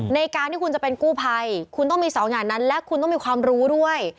ในการที่คุณจะเป็นกู้ภัยคุณต้องมีสองอย่างนั้นและคุณต้องมีความรู้ด้วย